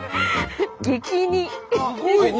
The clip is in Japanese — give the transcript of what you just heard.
激似！